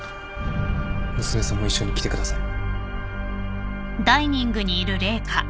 娘さんも一緒に来てください。